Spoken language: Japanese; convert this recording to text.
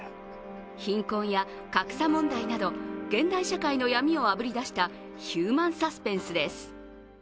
貧困や格差問題など現代社会の闇をあぶり出したヒューマンサスペンスです。